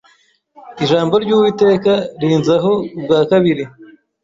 Ijambo ry’Uwiteka rinzaho ubwa kabiri